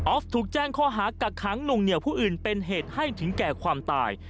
ออฟถูกแจ้งค่าค้ำลงเหนี่ยวผู้อื่นเป็นเหตุให้ถิงแก่ความตาย